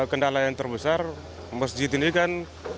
kendala yang terbesar masjid ini kan